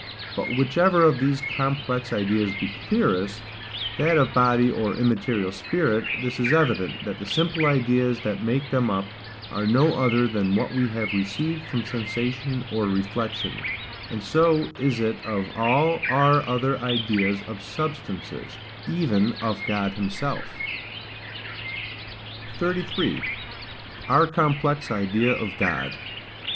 But whichever of these complex ideas be clearest, that of body, or immaterial spirit, this is evident, that the simple ideas that make them up are no other than what we have received from sensation or reflection: and so is it of all our other ideas of substances, even of God himself. 33. Our complex idea of God.